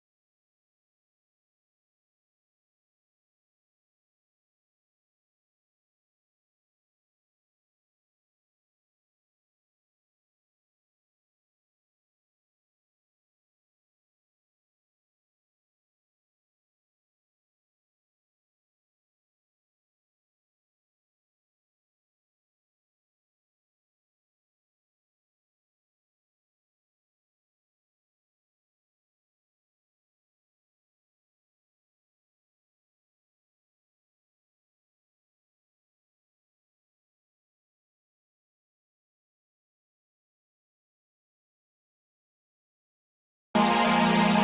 tolerantin jangan denger